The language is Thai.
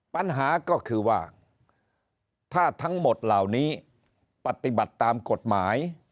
ปัญหาก็คือว่าถ้าทั้งหมดเหล่านี้ปฏิบัติตามกฎหมาย